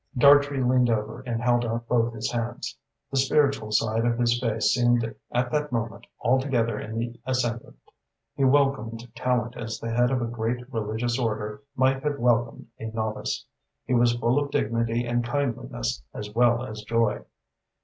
Dartrey leaned over and held out both his hands. The spiritual side of his face seemed at that moment altogether in the ascendant. He welcomed Tallente as the head of a great religious order might have welcomed a novice. He was full of dignity and kindliness as well as joy.